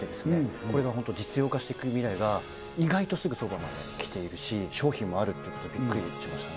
これがホント実用化していく未来が意外とすぐそばまで来ているし商品もあるっていうことびっくりしましたね